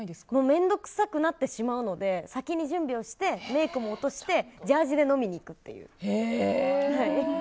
面倒くさくなってしまうので先に準備をしてメイクも落としてジャージーで飲みに行くっていう。